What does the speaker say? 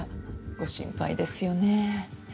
ご心配ですよね。